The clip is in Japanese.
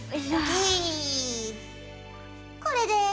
これで。